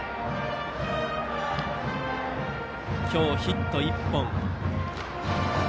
今日、ヒット１本。